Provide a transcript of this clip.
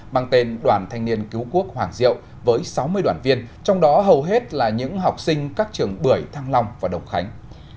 mang tên đoàn thanh niên cứu quốc hoàng diệu với sáu mươi đoàn viên trong đó hầu hết là những học sinh các trường bưởi thăng long và đồng khánh